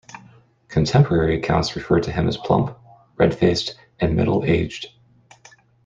Contemporary accounts refer to him as plump, red-faced and middle aged.